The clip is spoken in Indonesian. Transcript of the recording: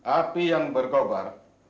api yang bergobar